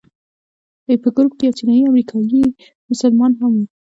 په ګروپ کې یو چینایي امریکایي مسلمان هم و.